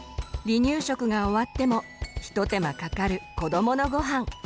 離乳食が終わっても一手間かかる子どものごはん。